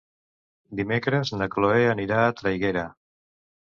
Dimecres na Chloé anirà a Traiguera.